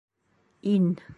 Ин!